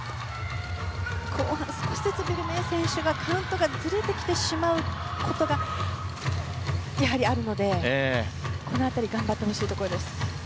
後半、少しずつビル・メイ選手がカウントがずれてきてしまうことがやはり、あるのでこの辺り頑張ってほしいところ。